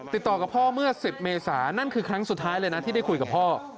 ติดต่อกับพ่อเมื่อ๑๐เมษานั่นคือครั้งสุดท้ายเลยนะที่ได้คุยกับพ่อ